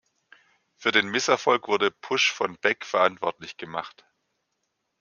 Für den Misserfolg wurde Pusch von Beck verantwortlich gemacht.